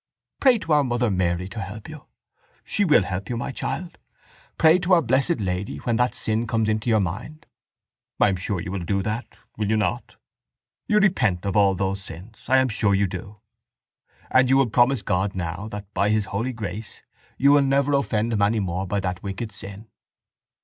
Pray to our mother Mary to help you. She will help you, my child. Pray to Our Blessed Lady when that sin comes into your mind. I am sure you will do that, will you not? You repent of all those sins. I am sure you do. And you will promise God now that by His holy grace you will never offend Him any more by that wicked sin.